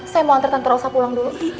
saya mau antar tante rosa pulang dulu